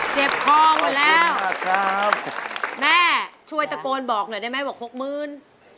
เจ็บคลองดูแล้วแม่ช่วยตะโกนบอกหน่อยได้ไหมบอกหกมื้น